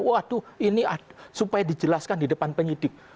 waduh ini supaya dijelaskan di depan penyidik